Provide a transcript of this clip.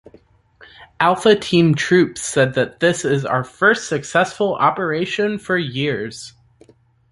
Alpha team troops said that "this is our first successful operation for years".